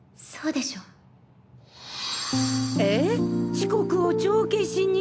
遅刻を帳消しに？